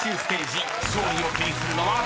［勝利を手にするのはどちらか］